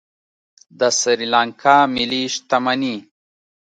د سریلانکا ملي شتمني